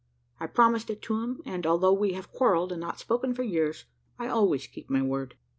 I promised it to him, and, although we have quarrelled, and not spoken for years, I always keep my word.